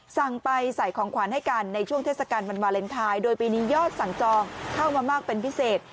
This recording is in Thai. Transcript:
สั่งไปใส่ของขวัญให้กันในช่วงเทศกาลวันวาเลนไทยโดยปีนี้ยอดสั่งจองเข้ามามากเป็นพิเศษ